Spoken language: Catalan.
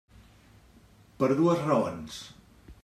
Per dues raons.